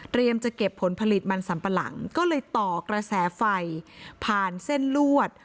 จะเก็บผลผลิตมันสัมปะหลังก็เลยต่อกระแสไฟผ่านเส้นลวด